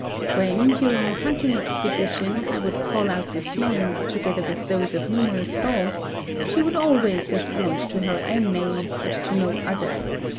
When, during a hunting expedition, I would call out this name, together with those of numerous dogs, she would always respond to her own name, but to no other.